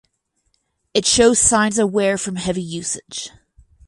It shows signs of wear from heavy usage.